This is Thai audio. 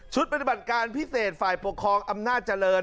ลาดดีฟี่เศษฝ่ายปกครองอำนาจจะเริ่ม